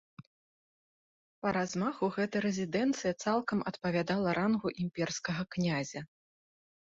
Па размаху гэта рэзідэнцыя цалкам адпавядала рангу імперскага князя.